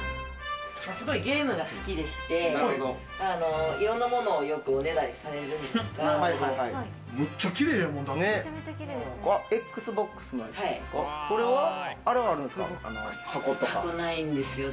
すごいゲームが好きでして、いろんなものをよくおねだりされるんですが。